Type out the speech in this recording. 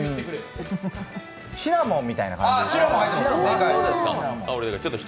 シナモンみたいな感じ。